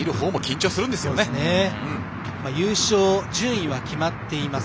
優勝、順位は決まってます。